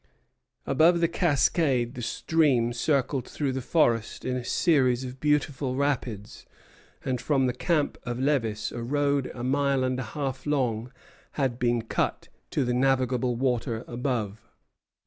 Above the cascade the stream circled through the forest in a series of beautiful rapids, and from the camp of Lévis a road a mile and a half long had been cut to the navigable water above.